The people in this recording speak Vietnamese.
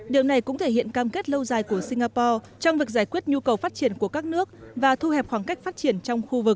điều này cũng thể hiện cam kết lâu dài của singapore trong việc giải quyết nhu cầu phát triển của các nước và thu hẹp khoảng cách phát triển trong khu vực